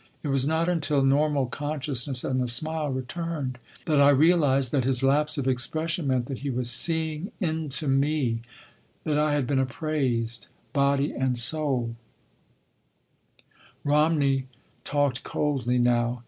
It was not until normal consciousness and the smile returned that I realised that his lapse of expression meant that he was _seeing into me_—that I had been appraised body and soul—" Romney talked coldly now.